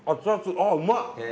あうまい。